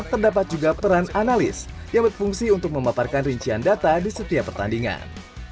terdapat juga peran analis yang berfungsi untuk memaparkan rincian data di setiap pertandingan